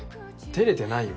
照れてないよ。